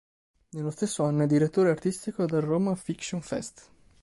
Nello stesso anno è direttore artistico del Roma Fiction Fest.